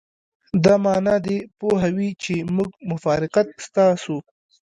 دا معنی دې پوه وي چې موږ مفارقت ستاسو.